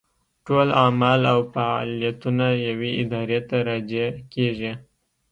ټول اعمال او فاعلیتونه یوې ارادې ته راجع کېږي.